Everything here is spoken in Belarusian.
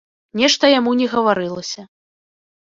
Нешта яму не гаварылася.